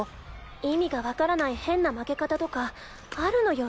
意味がわからない変な負け方とかあるのよ